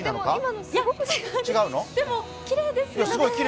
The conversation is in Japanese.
でも、きれいですよね。